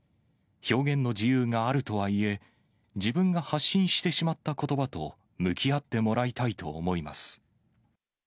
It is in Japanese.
表現の自由があるとはいえ、自分が発信してしまったことばと向き合ってもらいたいと思います。